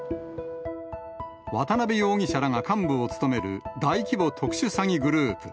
渡辺容疑者らが幹部を務める大規模特殊詐欺グループ。